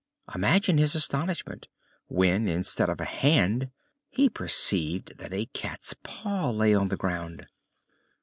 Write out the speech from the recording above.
Imagine his astonishment when instead of a hand he perceived that a cat's paw lay on the ground.